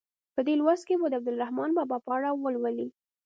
په دې لوست کې به د عبدالرحمان بابا په اړه ولولئ.